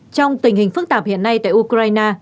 trong tình hình phức tạp hiện nay tại ukraine